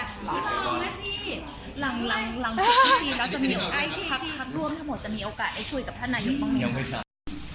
ก็นามโปรดภาพด้วยจะมาปรับให้พี่พ่อเขาปรับัตรรูปภาพทั้งความสบาย